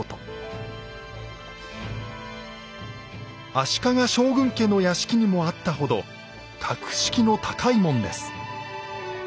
足利将軍家の屋敷にもあったほど格式の高い門です。